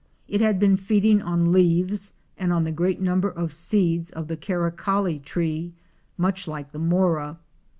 It had been feeding on leaves and on a great number of seeds of the Kakaralli tree, much like the mora.